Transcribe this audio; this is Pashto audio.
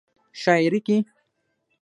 شاعرۍ کې